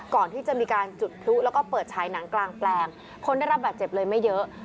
ก่อนที่จะมีการจุดพลุแล้วก็เปิดฉายหนังกลางแปลงคนได้รับบาดเจ็บเลยไม่เยอะ